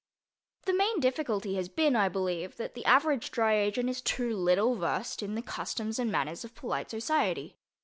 The main difficulty has been, I believe, that the average dry agent is too little versed in the customs and manners of polite society.